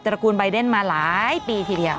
ระกูลใบเดนมาหลายปีทีเดียว